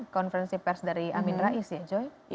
konferensi pers dari amin rais ya joy